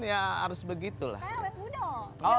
ya harus begitulah kayak westmudo